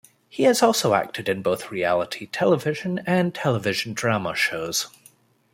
He has also acted in both reality television and television drama shows.